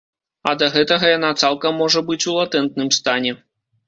А да гэтага яна цалкам можа быць у латэнтным стане.